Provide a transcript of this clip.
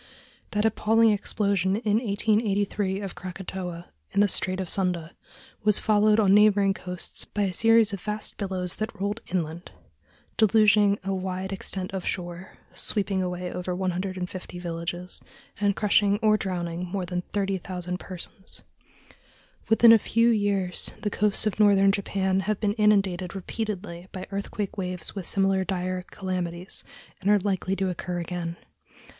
That appalling explosion in 1883 of Krakatoa, in the Strait of Sunda, was followed on neighboring coasts by a series of vast billows that rolled inland, deluging a wide extent of shore, sweeping away over 150 villages, and crushing or drowning more than 30,000 persons. Within a few years the coasts of northern Japan have been inundated repeatedly by earthquake waves with similar dire calamities, and they are likely to occur again.